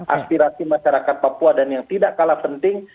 aspirasi masyarakat papua dan yang tidak kalah penting